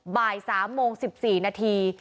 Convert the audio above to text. บ่าย๓โมง๑๔นาที